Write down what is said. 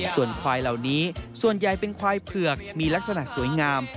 ส่วนควายเหล่านี้ส่วนใหญ่เป็นควายเผือกมีลักษณะสวยงาม